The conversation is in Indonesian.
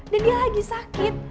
dan dia lagi sakit